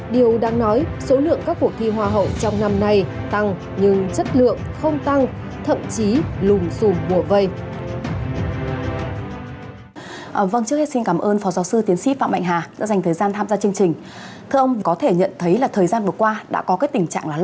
điều đáng nói số lượng các cuộc thi hoa hậu trong năm nay tăng nhưng chất lượng không tăng